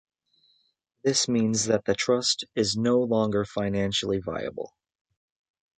This means that the trust is no longer financially viable.